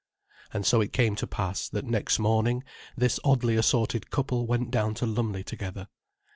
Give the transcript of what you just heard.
And so it came to pass that, next morning, this oddly assorted couple went down to Lumley together.